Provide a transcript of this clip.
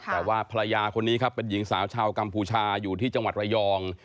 แต่ว่าภรรยาคนนี้ครับเป็นหญิงสาวชาวกัมพูชาอยู่ที่จังหวัดระยอง